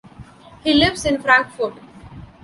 He lives in Frankfurt.